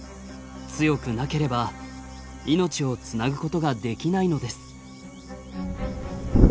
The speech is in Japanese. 強くなければ命をつなぐことができないのです。